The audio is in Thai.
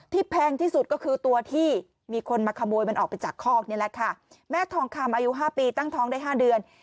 แพงที่สุดก็คือตัวที่มีคนมาขโมยมันออกไปจากคอกนี่แหละค่ะแม่ทองคำอายุห้าปีตั้งท้องได้ห้าเดือน